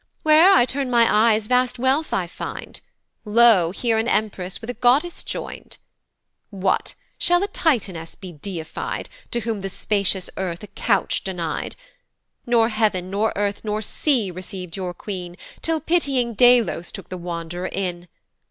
"Where'er I turn my eyes vast wealth I find, "Lo! here an empress with a goddess join'd. "What, shall a Titaness be deify'd, "To whom the spacious earth a couch deny'd! "Nor heav'n, nor earth, nor sea receiv'd your queen, "Till pitying Delos took the wand'rer in.